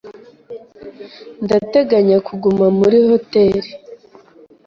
Ndateganya kuguma muri hoteri.